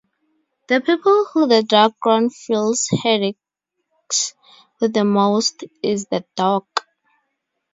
The people who the Dragon feels headaches with the most is the Dog.